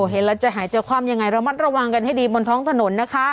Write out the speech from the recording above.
เห็นแล้วจะหายใจความยังไงระมัดระวังกันให้ดีบนท้องถนนนะคะ